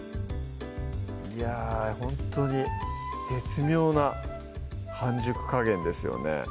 いやぁほんとに絶妙な半熟加減ですよね